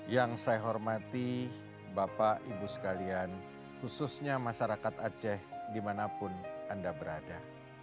yang saya hormati bapak ibu sekalian khususnya masyarakat aceh dimanapun anda berada